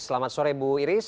selamat sore bu iris